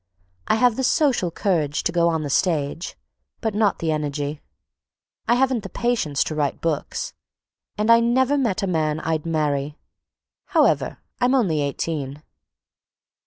I have the social courage to go on the stage, but not the energy; I haven't the patience to write books; and I never met a man I'd marry. However, I'm only eighteen."